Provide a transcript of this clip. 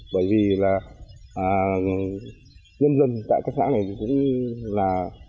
bởi vì là nhân dân tại các xã này cũng là